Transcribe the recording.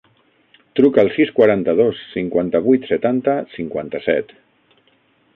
Truca al sis, quaranta-dos, cinquanta-vuit, setanta, cinquanta-set.